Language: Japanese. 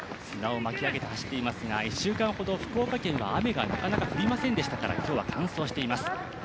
砂を巻き上げて走っていますが１週間ほど、福岡県はなかなか雨が降りませんでしたから今日は乾燥しています